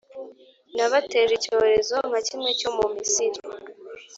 Nabateje icyorezo nka kimwe cyo mu Misiri,